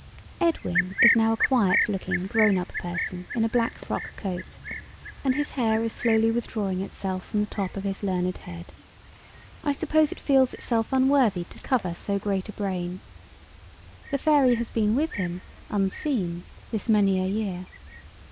Edwin is now a quiet looking grown up person in a black frock coat; and his hair is slowly withdrawing itself from the top of his learned head. I suppose it feels itself unworthy to cover so great a brain. The fairy has been with him, unseen, this many a year.